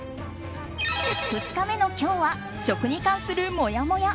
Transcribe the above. ２日目の今日は食に関するもやもや。